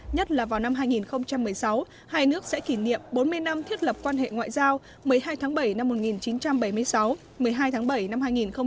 nhất là vào năm hai nghìn một mươi sáu hai nước sẽ kỷ niệm bốn mươi năm thiết lập quan hệ ngoại giao một mươi hai tháng bảy năm một nghìn chín trăm bảy mươi sáu một mươi hai tháng bảy năm hai nghìn một mươi chín